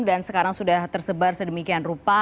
dan sekarang sudah tersebar sedemikian rupa